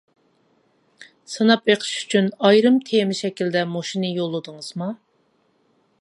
سىناپ بېقىش ئۈچۈن، ئايرىم تېما شەكلىدە مۇشۇنى يوللىدىڭىزما؟ !